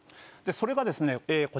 それがですねええ